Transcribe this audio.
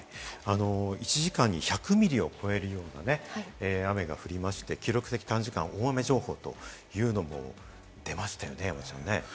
１時間に１００ミリを超えるようなね、雨が降りまして、記録的短時間大雨情報というのも出ましたよね、山ちゃんね。